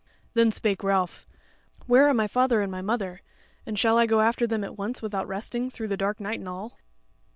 Then spake Ralph: "Where are my father and my mother; and shall I go after them at once without resting, through the dark night and all?"